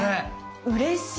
うれしい。